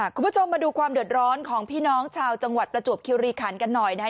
คุณผู้ชมมาดูความเดือดร้อนของพี่น้องชาวจังหวัดประจวบคิวรีคันกันหน่อยนะคะ